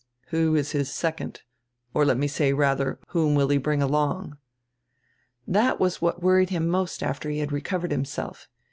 "Who is his second! Or let me say, rather, whom will he bring along?" "That was what worried him most after he had re covered himself.